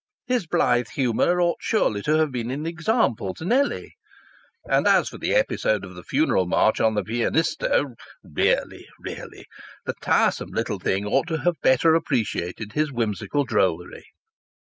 His blithe humour ought surely to have been an example to Nellie! And as for the episode of the funeral march on the Pianisto, really, really, the tiresome little thing ought to have better appreciated his whimsical drollery!